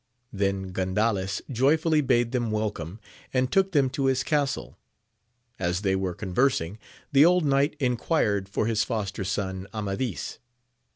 Then Gandales joyfuUy bade them welcome, and took them to his castle. As they were conversing, the old knight enquired for his foster son, Amadis.